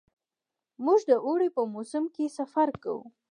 موږ د اوړي په موسم کې سفر کوو.